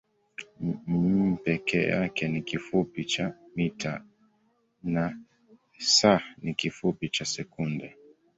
m peke yake ni kifupi cha mita na s ni kifupi cha sekunde.